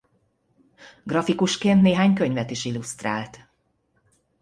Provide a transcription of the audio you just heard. Grafikusként néhány könyvet is illusztrált.